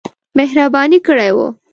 مهرباني کړې وه.